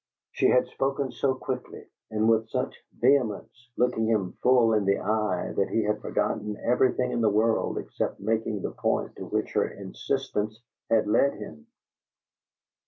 She had spoken so quickly and with such vehemence, looking him full in the eye, that he had forgotten everything in the world except making the point to which her insistence had led him.